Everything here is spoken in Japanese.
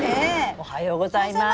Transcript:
おはようございます。